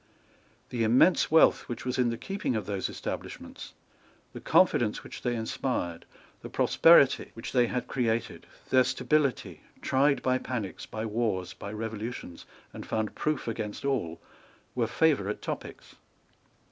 The immense wealth which was in the keeping of those establishments, the confidence which they inspired, the prosperity which they had created, their stability, tried by panics, by wars, by revolutions, and found proof against all, were favourite topics.